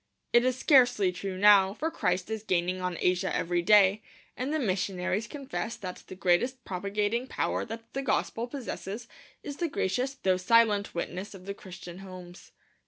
It is scarcely true now, for Christ is gaining on Asia every day; and the missionaries confess that the greatest propagating power that the gospel possesses is the gracious though silent witness of the Christian homes.